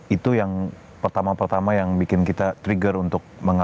itu yang pertama pertama yang bikin kita trigger untuk mengembangkan